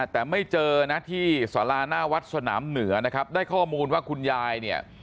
แต่ไม่เจอที่สรานาวัดสนามเหนือได้ข้อมูลว่าคุณยาย